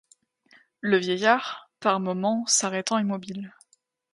Le vieillard, par moments s’arrêtant immobile